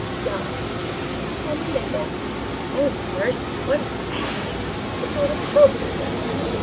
"Young?" "No; only middling." "Oh, mercy! what a wretch! What sort of a house is it?"